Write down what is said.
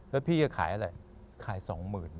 แล้วพี่ขายอะไรขาย๒๐๐๐๐เหรอ